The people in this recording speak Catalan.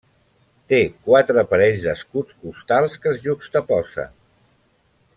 Té quatre parells d'escuts costals que es juxtaposen.